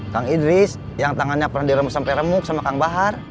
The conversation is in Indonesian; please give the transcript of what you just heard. kang idris yang tangannya pernah diremuk sampai remuk sama kang bahar